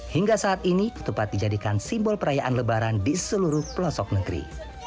hingga saat ini ketupat dijadikan simbol perayaan lebaran di seluruh pelosok negeri